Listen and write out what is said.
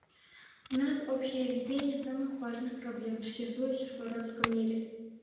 У нас общее видение самых важных проблем, существующих в арабском мире.